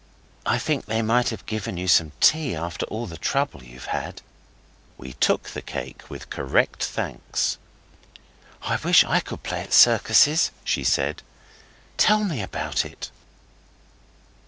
I think they might have given you some tea after all the trouble you've had.' We took the cake with correct thanks. 'I wish I could play at circuses,' she said. 'Tell me about it.